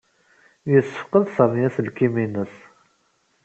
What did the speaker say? Yessefqed Sami aselkim-nnes.